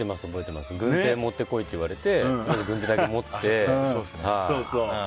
軍手持ってこいって言われて軍手だけ持って。